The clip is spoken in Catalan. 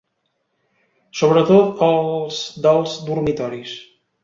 Sobretot els dels dormitoris.